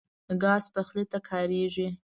ګاز پخلی ته کارېږي.